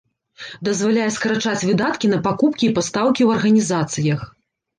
Дазваляе скарачаць выдаткі на пакупкі і пастаўкі ў арганізацыях.